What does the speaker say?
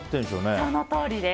そのとおりです。